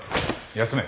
休め。